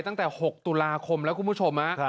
ตั้งแต่๖ตุลาคมแล้วคุณผู้ชม